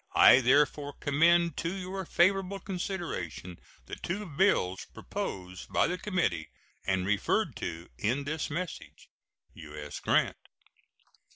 I therefore commend to your favorable consideration the two bills proposed by the committee and referred to in this message. U.S. GRANT.